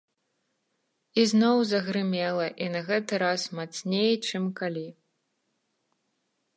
Ізноў загрымела, і на гэты раз мацней, чым калі.